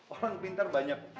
orang pintar banyak